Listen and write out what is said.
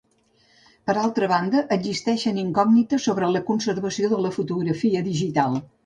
Per altra banda existeixen incògnites sobre la conservació de la fotografia digital.